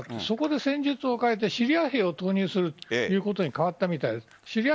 そこで戦術を変えてシリア兵を投入するということに変わったみたいです。